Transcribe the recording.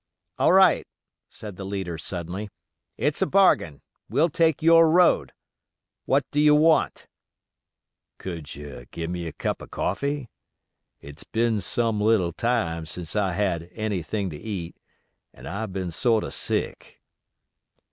"All right," said the leader, suddenly, "it's a bargain: we'll take your road. What do you want?" "Could you gi'me a cup o' coffee? It's been some little time since I had anything to eat, an' I been sort o' sick."